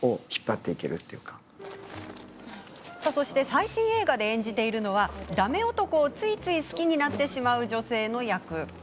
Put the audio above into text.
最新映画で演じているのはだめ男を、ついつい好きになってしまう女性の役。